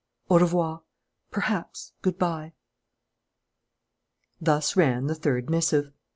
Au revoir. Perhaps good bye." Thus ran the third missive.